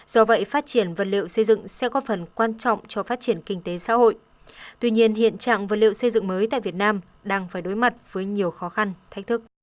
do vậy phát triển vật liệu xây dựng sẽ có phần quan trọng cho phát triển kinh tế xã hội tuy nhiên hiện trạng vật liệu xây dựng mới tại việt nam đang phải đối mặt với nhiều khó khăn thách thức